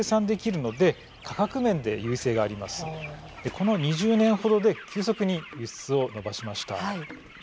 この２０年ほどで急速に輸出を伸ばしました。